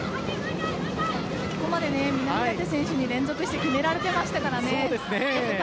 ここまで南舘選手に連続して決められてましたからね。